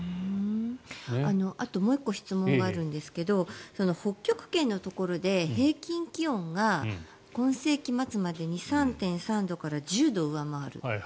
あと、もう１個質問があるんですが北極圏のところで平均気温が今世紀末までに３．３度から１０度上回るって。